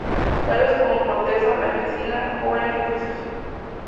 Tallos con corteza blanquecina, jóvenes rojizos.